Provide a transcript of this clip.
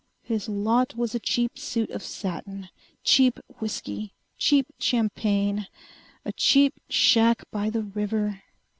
His lot was a cheap suit of satin! Cheap whiskey! Cheap champagne! A cheap shack by the river....